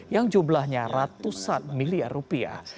yang jumlahnya ratusan miliar rupiah